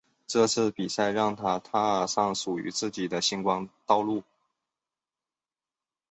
这次比赛让她踏上属于自己的星光道路。